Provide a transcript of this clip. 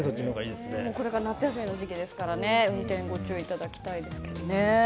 これから夏休みですから運転ご注意いただきたいですけど。